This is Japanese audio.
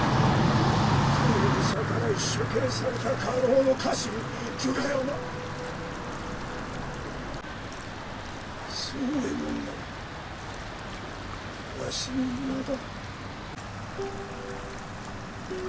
殿に逆らい処刑された家老の家臣久我山宗衛門がわしの名だ。